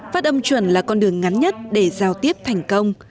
phát âm chuẩn là con đường ngắn nhất để giao tiếp thành công